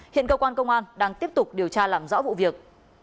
hiện cơ quan công an đang tiếp tục điều tra làm rõ vụ việc